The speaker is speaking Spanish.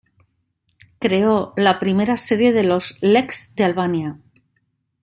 Creó la primera serie de los leks de Albania.